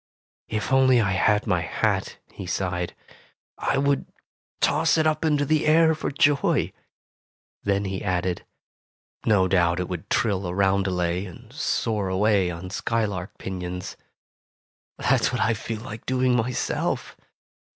"If only I had my hat," he sighed, "I would toss it up into the air for joy." Then he added, "No doubt it would trill a roundelay and soar away on skylark pinions. That's what I feel like doing myself.